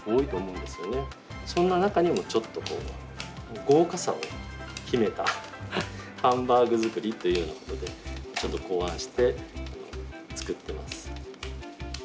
そんな中にもちょっとこう豪華さを秘めたハンバーグ作りというようなことでちょっと考案して作ってます。